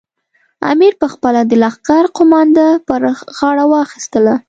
امیر پخپله د لښکر قومانده پر غاړه واخیستله.